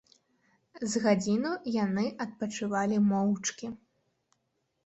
З гадзіну яны адпачывалі моўчкі.